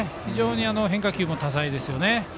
変化球も多彩ですよね。